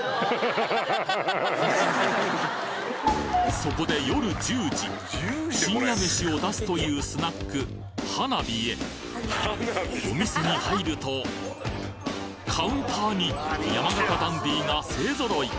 そこで夜１０時深夜メシを出すというスナック華美へお店に入るとカウンターに山形ダンディが勢ぞろい